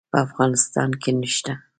په افغانستان کې نشته